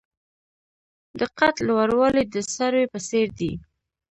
د قد لوړوالی د سروې په څیر دی.